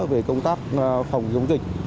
về công tác phòng chống dịch